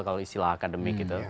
kalau istilah akademik gitu